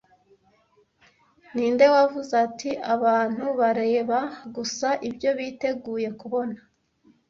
Ninde wavuze ati "Abantu bareba gusa ibyo biteguye kubona"